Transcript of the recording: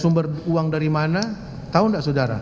sumber uang dari mana tahu enggak sudara